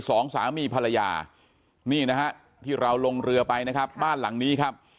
สองสามีภรรยานี่นะฮะที่เราลงเรือไปนะครับบ้านหลังนี้ครับ